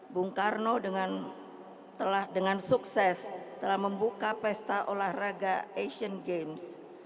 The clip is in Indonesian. bung karno dengan sukses telah membuka pesta olahraga asian games